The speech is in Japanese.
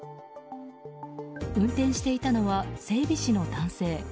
運転していたのは整備士の男性。